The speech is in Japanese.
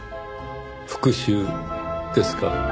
復讐ですか？